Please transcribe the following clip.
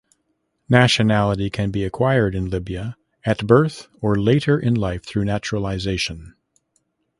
Nationality can be acquired in Libya at birth or later in life through naturalization.